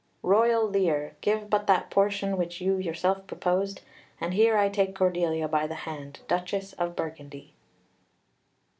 "Royal Lear, give but that portion which you yourself proposed, and here I take Cordelia by the hand, Duchess of Burgundy."